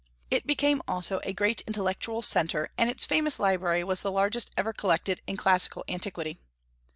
It became also a great intellectual centre, and its famous library was the largest ever collected in classical antiquity.